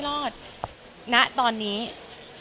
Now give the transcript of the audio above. ขอเริ่มขออนุญาต